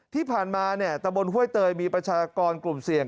ที่ผ่านมาตะบนห้วยเตยมีประชากรกลุ่มเสี่ยง